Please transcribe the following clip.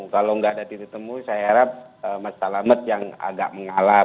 kalau tidak ada titik temu saya harap mas selamat yang agak mengalah